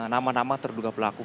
nama nama terduga pelaku